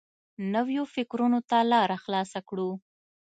نویو فکرونو ته لاره خلاصه کړو.